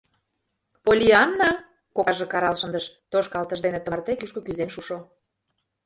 — Поллианна! — кокаже карал шындыш, тошкалтыш дене тымарте кӱшкӧ кӱзен шушо.